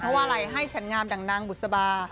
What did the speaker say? เพราะว่าอะไรให้ฉันงามดังนางบุษบา